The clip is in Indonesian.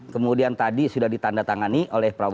kemudian tadi sudah ditanda tangani oleh prabowo